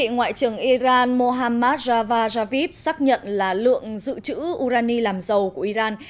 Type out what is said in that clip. ngoại trưởng iran mohammad javad javid xác nhận là lượng dự trữ urani làm dầu của iran